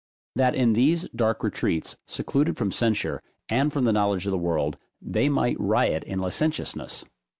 That in these dark retreats, secluded from censure, and from the knowledge of the world, they might riot in licentiousness.